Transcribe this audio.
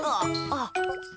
あっ。